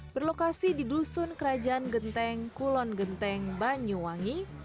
berlokasi di dusun kerajaan genteng kulon genteng banyuwangi